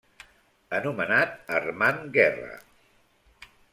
Anomenat Armand Guerra.